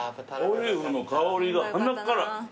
トリュフの香りが鼻から。